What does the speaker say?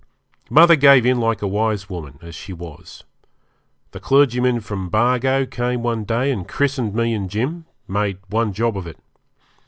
Mother gave in like a wise woman, as she was. The clergyman from Bargo came one day and christened me and Jim made one job of it.